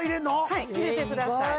はい入れてください